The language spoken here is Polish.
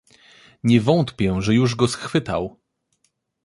"Nie wątpię, że go już schwytał."